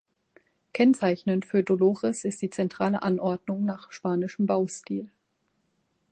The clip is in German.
Kennzeichnend für Dolores ist die zentrale Anordnung nach spanischem Baustil.